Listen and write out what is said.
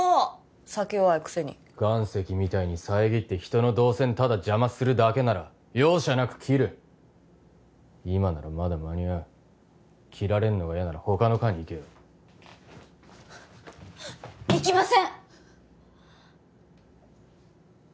酒弱いくせに岩石みたいに遮って人の動線ただ邪魔するだけなら容赦なく切る今ならまだ間に合う切られるのが嫌なら他の科に行けよ行きませんっ